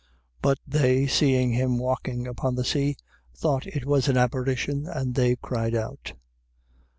6:49. But they seeing him walking upon the sea, thought it was an apparition, and they cried out.